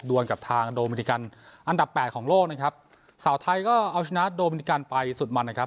วนกับทางโดมินิกันอันดับแปดของโลกนะครับสาวไทยก็เอาชนะโดมินิกันไปสุดมันนะครับ